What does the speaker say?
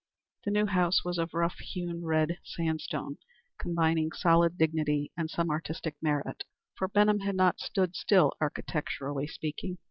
The new house was of rough hewn red sandstone, combining solid dignity and some artistic merit, for Benham had not stood still architecturally speaking.